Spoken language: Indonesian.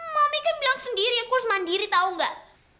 mami kan bilang sendiri aku harus mandiri tau gak